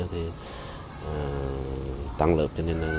thì tăng lớp cho nên